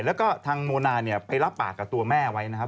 แล้วก็ทางโมนาเนี่ยไปรับปากกับตัวแม่ไว้นะครับ